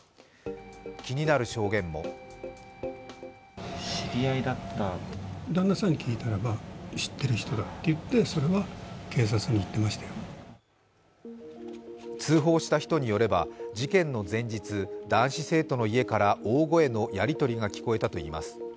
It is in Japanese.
気になる証言も通報した人によれば事件の前日男子生徒の家から、大声のやりとりが聞こえたといいます。